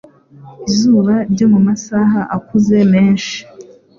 izuba ryo mu masaha akuze menshi